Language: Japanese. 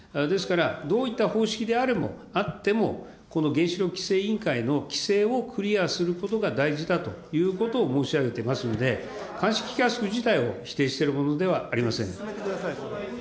ですから、どういった方式であっても、この原子力規制委員会の規制をクリアすることが大事だということを申し上げてますので、乾式キャスク自体を否定しているものではありません。